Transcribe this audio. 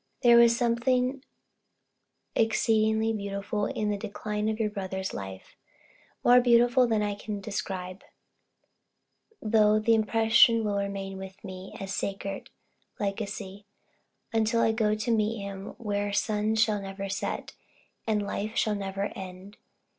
There was something exceedingly beautiful in the decline of your brother's life more beautiful than I can describe, though the impression will remain with me as a sacred legacy, until I go to meet him where suns shall never set, and life shall never end.